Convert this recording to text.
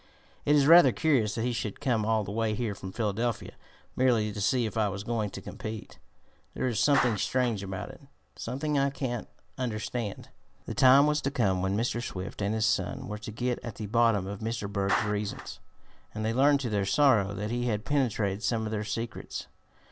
It is rather curious that he should come all the way here from Philadelphia, merely to see if I was going to compete. There is something strange about it, something that I can't understand." The time was to come when Mr. Swift and his son were to get at the bottom of Mr. Berg's reasons, and they learned to their sorrow that he had penetrated some of their secrets.